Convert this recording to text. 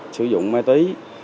sử dụng ma túy